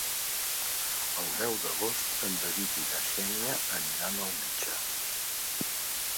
El deu d'agost en David i na Xènia aniran al metge.